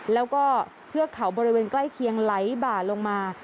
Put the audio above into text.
แล้วก็เทือกเขาบริเวณใกล้เคียงไหลบ่าลงมา